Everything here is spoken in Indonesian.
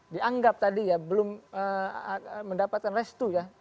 dianggap tadi ya belum mendapatkan restu ya